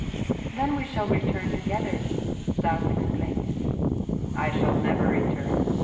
"Then we shall return together," Stas exclaimed. "I shall never return.